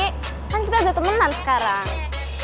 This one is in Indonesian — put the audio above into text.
kan kita ada temenan sekarang